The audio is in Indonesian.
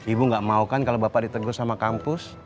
ibu gak mau kan kalau bapak ditegur sama kampus